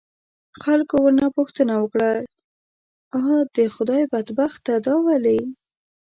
خلکو ورنه پوښتنه وکړه، چې آ د خدای بدبخته دا ولې؟